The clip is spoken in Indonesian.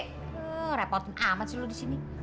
kerepotan amat sih lu disini